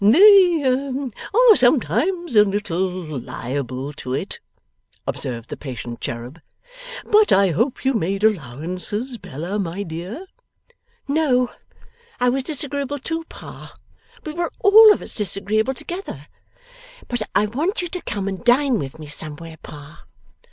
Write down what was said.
'They are sometimes a little liable to it,' observed the patient cherub; 'but I hope you made allowances, Bella, my dear?' 'No. I was disagreeable too, Pa; we were all of us disagreeable together. But I want you to come and dine with me somewhere, Pa.